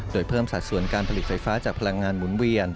โดยเพิ่มสัดส่วนการผลิตไฟฟ้าจากพลังงานหมุนเวียน